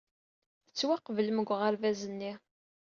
Tettwaqeblem deg uɣerbaz-nni.